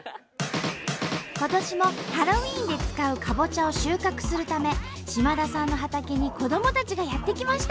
今年もハロウィーンで使うかぼちゃを収穫するため島田さんの畑に子どもたちがやって来ました。